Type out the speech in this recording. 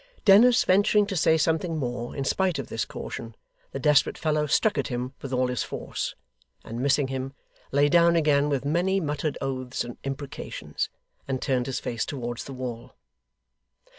Dennis venturing to say something more in spite of this caution, the desperate fellow struck at him with all his force, and missing him, lay down again with many muttered oaths and imprecations, and turned his face towards the wall.